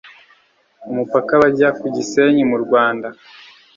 umupaka bajya ku gisenyi mu rwanda